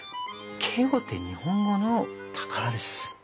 敬語って日本語の宝です。